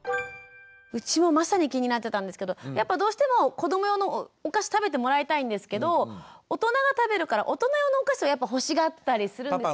うちもまさに気になってたんですけどやっぱどうしても子ども用のお菓子食べてもらいたいんですけど大人が食べるから大人用のお菓子を欲しがったりするんですよ。